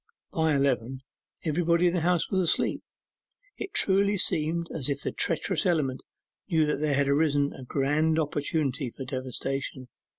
By eleven, everybody in the house was asleep. It truly seemed as if the treacherous element knew there had arisen a grand opportunity for devastation.